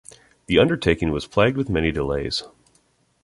The undertaking was plagued with many delays.